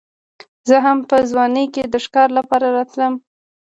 زه هم په ځوانۍ کې د ښکار لپاره راتلم.